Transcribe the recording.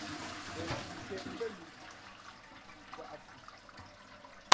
Pά nkiken pēn nu si kwaꞌsi.